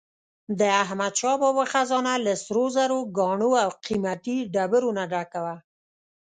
د احمدشاه بابا خزانه له سروزرو، ګاڼو او قیمتي ډبرو نه ډکه وه.